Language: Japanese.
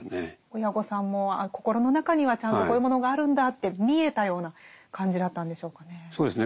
親御さんもあ心の中にはちゃんとこういうものがあるんだって見えたような感じだったんでしょうかね。